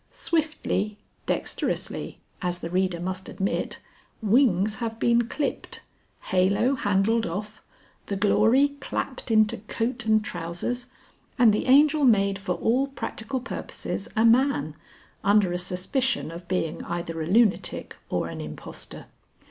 Swiftly, dexterously, as the reader must admit, wings have been clipped, halo handled off, the glory clapped into coat and trousers, and the Angel made for all practical purposes a man, under a suspicion of being either a lunatic or an impostor.